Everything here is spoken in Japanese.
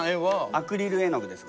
アクリル絵の具です。